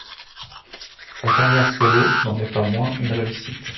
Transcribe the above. Sa carrière solo n'en est pas moins une réussite.